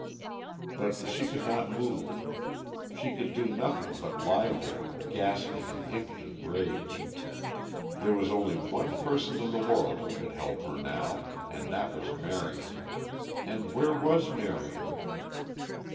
But she could not move; she could do nothing but lie there gasping in impotent rage. There was only one person in the world who could help her now, and that was Marion. And where was Marion?